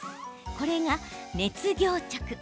これが熱凝着。